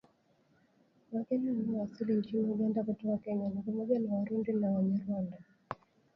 Wageni wanaowasili nchini Uganda kutoka Kenya ni pamoja na Warundi na Wanyarwanda